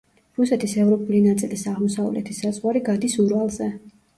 რუსეთის ევროპული ნაწილის აღმოსავლეთი საზღვარი გადის ურალზე.